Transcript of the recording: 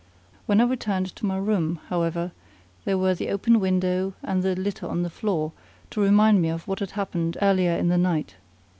When I returned to my room, however, there were the open window and the litter on the floor to remind me of what had happened earlier in the night.